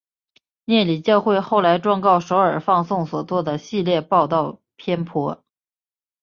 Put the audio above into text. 摄理教会后来状告首尔放送所做的系列报导偏颇。